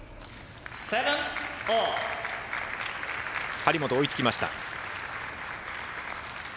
張本、追いつきました。